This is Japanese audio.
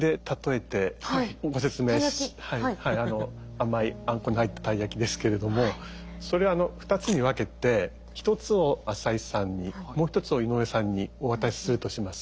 甘いあんこの入ったたい焼きですけれどもそれを２つに分けて１つを浅井さんにもう１つを井上さんにお渡しするとします。